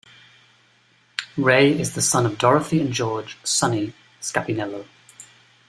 Ray is the son of Dorothy and George "Sonny" Scapinello.